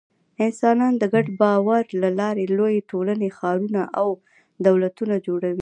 انسانان د ګډ باور له لارې لویې ټولنې، ښارونه او دولتونه جوړوي.